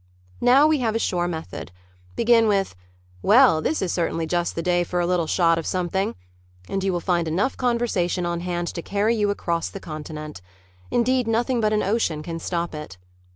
Now we have a sure method. Begin with, "Well, this is certainly just the day for a little shot of something," and you will find enough conversation on hand to carry you across the continent. Indeed, nothing but an ocean can stop it.